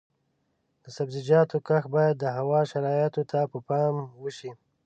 د سبزیجاتو کښت باید د هوا شرایطو ته په پام وشي.